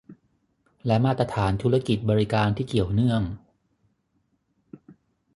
และมาตรฐานธุรกิจบริการที่เกี่ยวเนื่อง